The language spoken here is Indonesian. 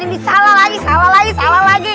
ini salah lagi salah lagi salah lagi